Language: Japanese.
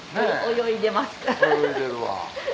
泳いでるわ。